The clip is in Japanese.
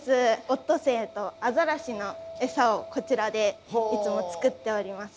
オットセイとアザラシのエサをこちらでいつも作っております。